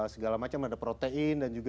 segala macam ada protein dan juga